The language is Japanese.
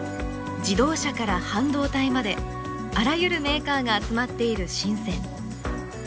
自動車から半導体まであらゆるメーカーが集まっている深。